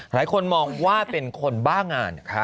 หลายคนมองว่าเป็นคนบ้างาน